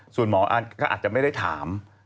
ส่วนหมอก็อาจจะไม่ได้ถาม